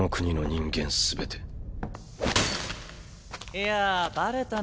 いやバレたね